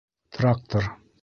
ТРАКТОР